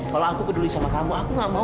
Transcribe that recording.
kalau aku peduli sama kamu aku gak mau